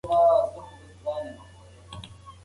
که سهار نه وای، نو د غږ مانا به ورکه پاتې وای.